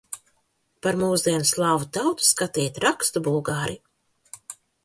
Par mūsdienu slāvu tautu skatīt rakstu bulgāri.